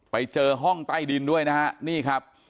ไปเจอห้องใต้ดินด้วยนะฮะนี่ครับ